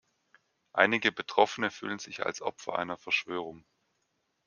Einige Betroffene fühlen sich als Opfer einer Verschwörung.